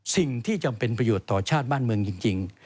สิ่งที่จำเป็นประโยชน์ต่อชาติบ้านเมืองจริง